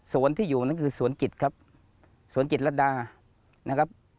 ที่อยู่นั่นคือสวนจิตครับสวนจิตรดานะครับ